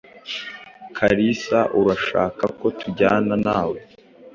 Kalisa, urashaka ko tujyana nawe?